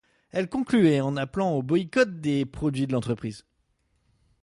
Elle concluait en appelant au boycott des produits de l'entreprise.